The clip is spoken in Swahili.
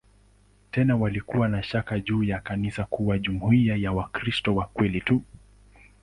Tena walikuwa na shaka juu ya kanisa kuwa jumuiya ya "Wakristo wa kweli tu".